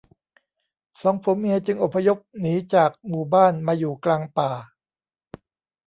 สองผัวเมียจึงอพยพหนีจากหมู่บ้านมาอยู่กลางป่า